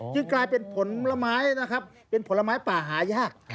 จึงกลายเป็นผลไม้เป็นผลไม้หายาก